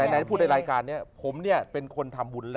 ในรายการนี้ผมเนี่ยเป็นคนทำบุญ